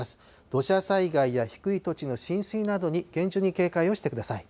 土砂災害や低い土地の浸水などに、厳重に警戒をしてください。